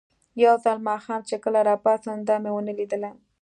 یو ځل ماښام چې کله راپاڅېدم، دا مې ونه لیدله.